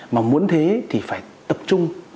mà muốn thế thì phải tập trung